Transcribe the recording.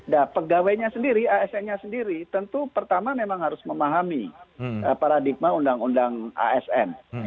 nah pegawainya sendiri asn nya sendiri tentu pertama memang harus memahami paradigma undang undang asn